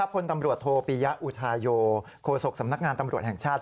โปรปิยอุทาโยโฆษกสำนักงานตำรวจแห่งชาติ